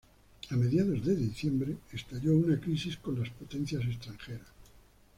A mediados de diciembre, estalló una crisis con las potencias extranjeras.